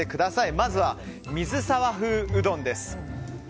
まずは水沢風うどんです。